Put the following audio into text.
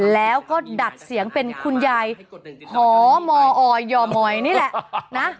แล้วก็ดัดเสียงเป็นคุณยายหมอยมนี่แหละนะ